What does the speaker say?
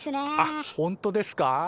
あっほんとですか。